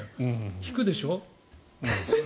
引くでしょ？